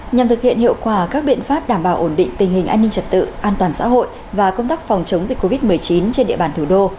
nhằm thực hiện hiệu quả các biện pháp đảm bảo ổn định tình hình an ninh trật tự an toàn xã hội và công tác phòng chống dịch covid một mươi chín trên địa bàn thủ đô